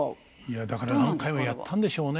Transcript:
いやだから何回もやったんでしょうね。